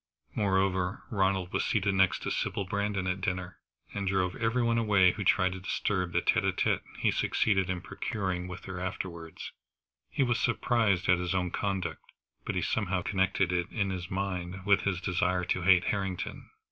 Moreover, Ronald was seated next to Sybil Brandon at dinner, and drove every one away who tried to disturb the tête à tête he succeeded in procuring with her afterwards. He was surprised at his own conduct, but he somehow connected it in his mind with his desire to hate Harrington.